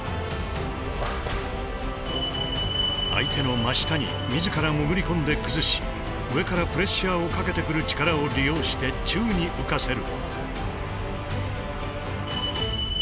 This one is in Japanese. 相手の真下に自ら潜り込んで崩し上からプレッシャーをかけてくる力を利用して宙に浮かせる。